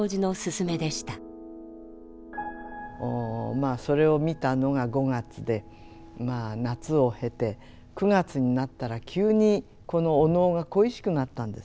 まあそれを見たのが５月でまあ夏を経て９月になったら急にこのお能が恋しくなったんです。